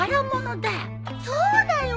そうだよ。